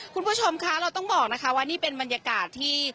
คุณผู้ชมคะเราต้องบอกนะคะว่านี่เป็นบรรยากาศที่